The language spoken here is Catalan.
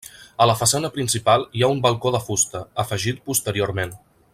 A la façana principal hi ha un balcó de fusta, afegit posteriorment.